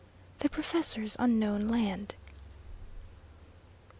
THE PROFESSOR'S UNKNOWN LAND.